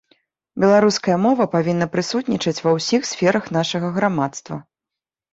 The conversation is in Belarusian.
Беларуская мова павінна прысутнічаць ва ўсіх сферах нашага грамадства.